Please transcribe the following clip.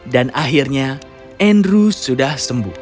dan akhirnya andrew sudah sembuh